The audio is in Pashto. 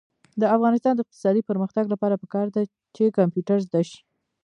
د افغانستان د اقتصادي پرمختګ لپاره پکار ده چې کمپیوټر زده شي.